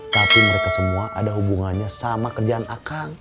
tapi mereka semua ada hubungannya sama kerjaan akan